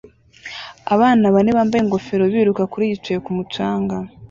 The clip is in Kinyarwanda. Abantu bane bambaye ingofero biruka kuri yicaye kumu canga